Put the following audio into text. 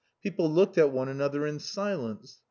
People looked at one another in silence.